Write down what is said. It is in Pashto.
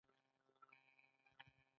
د نورو حقوق د هغوی ذاتي احترام دی.